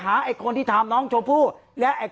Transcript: การแก้เคล็ดบางอย่างแค่นั้นเอง